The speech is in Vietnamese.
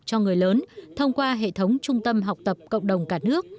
cho người lớn thông qua hệ thống trung tâm học tập cộng đồng cả nước